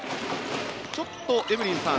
ちょっとエブリンさん